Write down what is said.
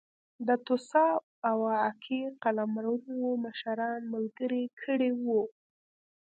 د توسا او اکي قلمرونو مشران ملګري کړي وو.